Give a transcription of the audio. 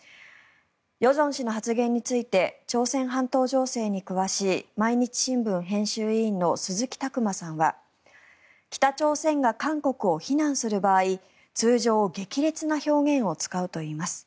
与正氏の発言について朝鮮半島情勢に詳しい毎日新聞編集委員の鈴木琢磨さんは北朝鮮が韓国を非難する場合通常激烈な表現を使うといいます。